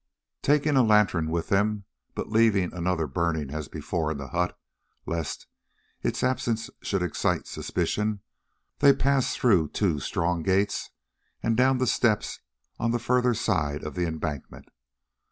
Taking a lantern with them, but leaving another burning as before in the hut, lest its absence should excite suspicion, they passed through two strong gates and down the steps on the further side of the embankment.